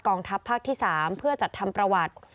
ทัพภาคที่๓เพื่อจัดทำประวัติ